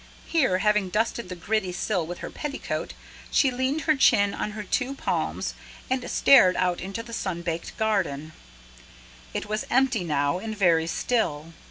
Here, having dusted the gritty sill with her petticoat, she leaned her chin on her two palms and stared out into the sunbaked garden. It was empty now, and very still.